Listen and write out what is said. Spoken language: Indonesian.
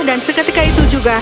dan seketika itu juga